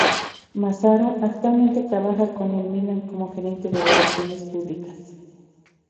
Massaro actualmente trabaja con el Milan como gerente de relaciones públicas.